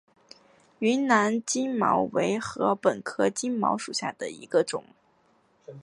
云南金茅为禾本科金茅属下的一个种。